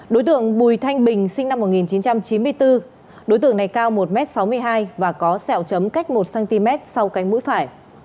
đối tượng bùi thanh bình sinh năm một nghìn chín trăm chín mươi bốn đối tượng này cao một m sáu mươi hai và có sẹo chấm cách một cm sau cánh mũi phải